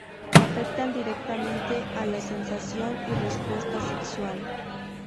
Afectan directamente a la sensación y respuesta sexual.